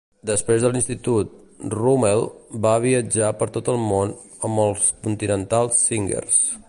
Després de l'institut, Rummell va viatjar per tot el món amb els Continental Singers.